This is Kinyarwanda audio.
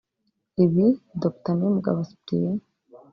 Ibi Dr Niyomugabo Cyprien